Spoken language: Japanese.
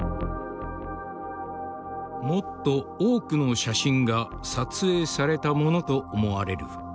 「もっと多くの写真が撮影されたものと思われる。